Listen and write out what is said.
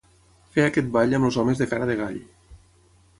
Feia aquest ball amb els homes de cara de gall.